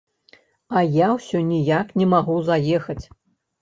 А я ўсё ніяк не магу заехаць.